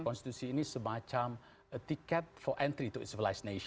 konstitusi ini semacam tiket untuk masuk ke negara negara